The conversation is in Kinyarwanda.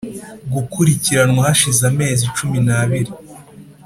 gukurikiranwa hashize amezi cumi n abiri